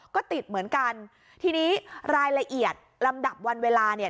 ก็ติดเหมือนกันทีนี้รายละเอียดลำดับวันเวลาเนี่ย